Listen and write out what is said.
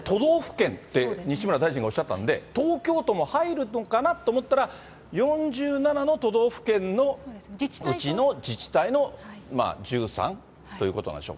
ここで西村大臣がおっしゃったんで、東京都も入るのかなと思ったら、４７の都道府県のうちの自治体の１３ということなんでしょう。